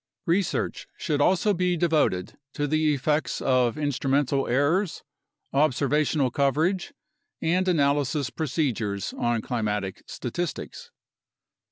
Research should also be devoted to the effects of instrumental errors, observational coverage, and analysis procedures on climatic statistics.